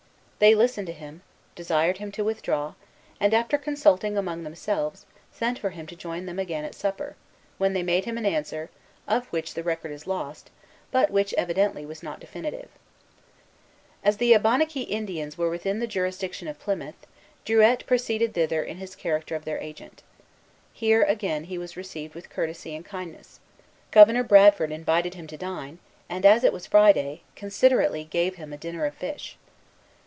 They listened to him, desired him to withdraw, and, after consulting among themselves, sent for him to join them again at supper, when they made him an answer, of which the record is lost, but which evidently was not definitive. As the Abenaqui Indians were within the jurisdiction of Plymouth, Druilletes proceeded thither in his character of their agent. Here, again, he was received with courtesy and kindness. Governor Bradford invited him to dine, and, as it was Friday, considerately gave him a dinner of fish.